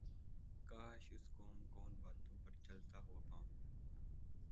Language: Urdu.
کاش اس قوم کو ان باتوں پر چلتا ھوا پاؤں